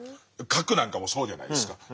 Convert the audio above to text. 核なんかもそうじゃないですか。